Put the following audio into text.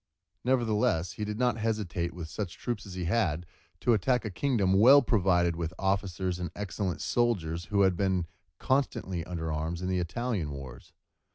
Nevertheless, he did not hesitate with such troops as he had, to attack a kingdom well provided with officers and excellent soldiers who had been constantly under arms in the Italian wars.